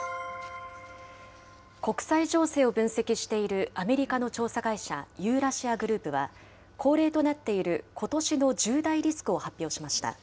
国際情勢を分析しているアメリカの調査会社、ユーラシア・グループは、恒例となっていることしの１０大リスクを発表しました。